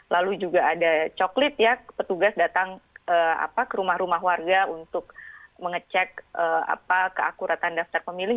lalu juga ada coklit ya petugas datang ke rumah rumah warga untuk mengecek keakuratan daftar pemilih